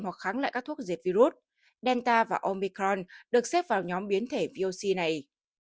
hoặc kháng lại các thuốc dệt virus delta và omicron được xếp vào nhóm biến thể voc này